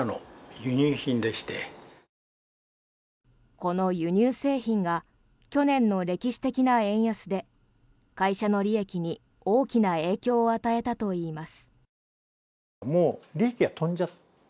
この輸入製品が去年の歴史的な円安で会社の利益に大きな影響を与えたといいます。